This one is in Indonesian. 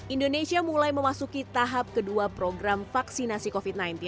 indonesia mulai memasuki tahap kedua program vaksinasi covid sembilan belas